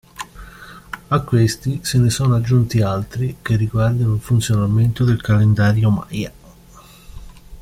A questi se ne sono aggiunti altri che riguardano il funzionamento del calendario Maya.